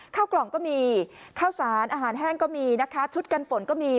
ข้าวกล่องก็มีข้าวสารอาหารแห้งก็มีนะคะชุดกันฝนก็มี